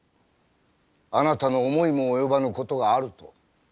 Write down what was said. あなたの思いも及ばぬ事があると。